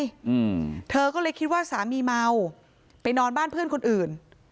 อืมเธอก็เลยคิดว่าสามีเมาไปนอนบ้านเพื่อนคนอื่น